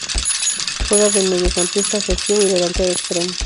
Juega de mediocampista ofensivo y delantero extremo.